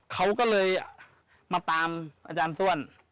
เขาก็เลยมาตามอาจารย์ส้วน